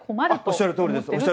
おっしゃるとおりです。